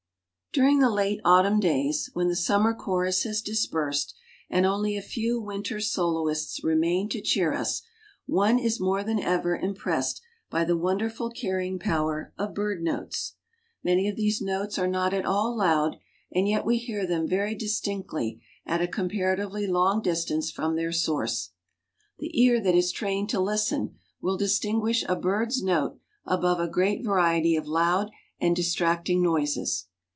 During the late autumn days, when the summer chorus has dispersed, and only a few winter soloists remain to cheer us, one is more than ever impressed by the wonderful carrying power of bird notes. Many of these notes are not at all loud; and yet we hear them very distinctly at a comparatively long distance from their source. The ear that is trained to listen will distinguish a bird's note above a great variety of loud and distracting noises.